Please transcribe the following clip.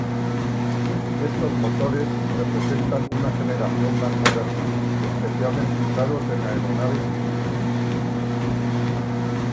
Estos motores representan una generación más moderna, especialmente usados en aeronaves civiles.